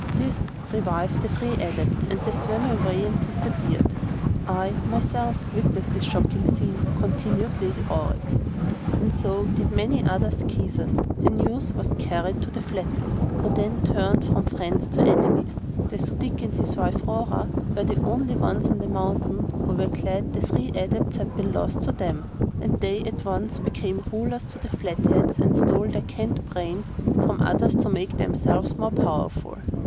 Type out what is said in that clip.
This revived the three Adepts and they swam away and disappeared. "I, myself, witnessed this shocking scene," continued Lady Aurex, "and so did many other Skeezers. The news was carried to the Flatheads, who then turned from friends to enemies. The Su dic and his wife Rora were the only ones on the mountain who were glad the three Adepts had been lost to them, and they at once became Rulers of the Flatheads and stole their canned brains from others to make themselves the more powerful.